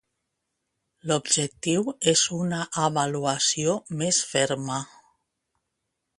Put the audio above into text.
L'objectiu és una avaluació més ferma.